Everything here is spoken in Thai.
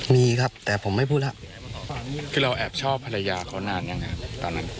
มีครับแต่ผมไม่พูดหรอก